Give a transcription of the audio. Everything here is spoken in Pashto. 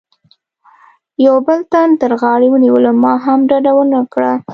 یوه بل تن تر غاړې ونیولم، ما هم ډډه و نه کړه.